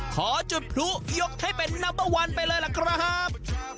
ขอจุดพลุยกให้เป็นนัมเบอร์วันไปเลยล่ะครับ